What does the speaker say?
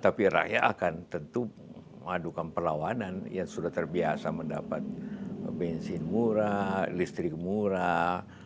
tapi rakyat akan tentu mengadukan perlawanan yang sudah terbiasa mendapat bensin murah listrik murah